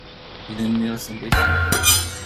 Wie nennen wir es am besten?